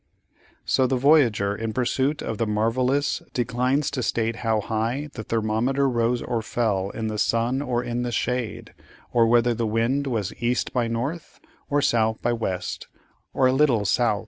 So the voyager in pursuit of the marvellous, declines to state how high the thermometer rose or fell in the sun or in the shade, or whether the wind was east by north, or sou' sou' west by a little sou'.